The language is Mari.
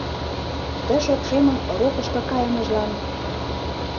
Ты шокшемын рокышко кайымыжлан